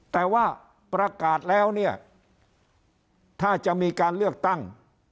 แต่ว่าประกาศแล้วเนี่ยถ้าจะมีการเลือกตั้ง